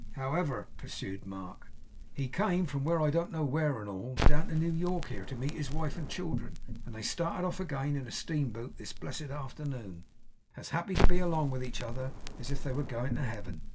'However,' pursued Mark, 'he came from I don't know where and all, down to New York here, to meet his wife and children; and they started off again in a steamboat this blessed afternoon, as happy to be along with each other as if they were going to Heaven.